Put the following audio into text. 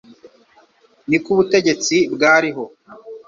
ni ko ubutegetsi bwariho